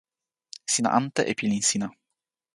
sina ante e pilin sina.